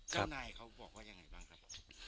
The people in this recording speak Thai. เจ้านายเขาบอกว่ายังไงบ้างครับ